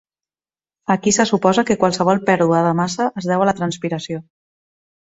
Aquí se suposa que qualsevol pèrdua de massa es deu a la transpiració.